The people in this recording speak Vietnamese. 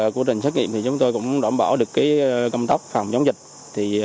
quá trình xét nghiệm thì chúng tôi cũng đảm bảo được cơm tóc phòng chống dịch